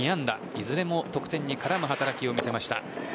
いずれも得点に絡む働きを見せました。